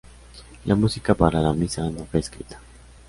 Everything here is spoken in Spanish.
La música para la misa no fue escrita.